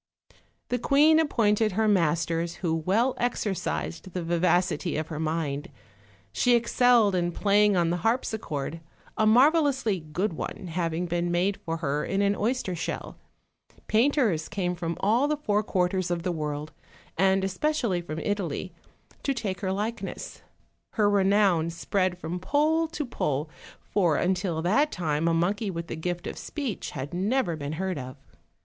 The queen appointed her masters, who well exercised the vivacity of her mind; she excelled in playing on the harpsichord, a marvelously good one having been made for her in an oyster shell: painters came from all the four quarters of the world, and especially from Italy, to take her likeness; her renown spread from pole to pole, for until that time a monkey with the gift of speech had never been heard of.